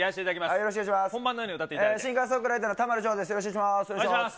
よろしくお願いします。